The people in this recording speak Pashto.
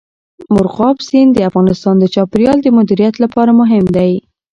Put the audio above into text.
مورغاب سیند د افغانستان د چاپیریال د مدیریت لپاره مهم دی.